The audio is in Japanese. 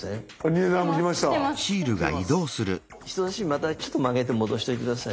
またちょっと曲げて戻しておいて下さい。